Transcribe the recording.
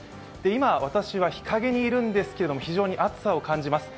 今、私は日影にいるんですけど、非常に暑さを感じます。